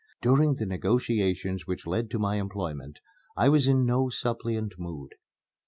During the negotiations which led to my employment, I was in no suppliant mood.